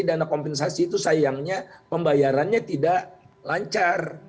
dana kompensasi itu sayangnya pembayarannya tidak lancar